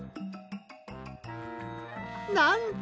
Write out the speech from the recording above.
なんと！？